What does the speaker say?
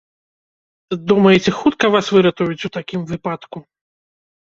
Думаеце, хутка вас выратуюць у такім выпадку?